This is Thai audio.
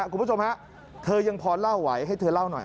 คุณผู้ชมฮะเธอยังพอเล่าไหวให้เธอเล่าหน่อย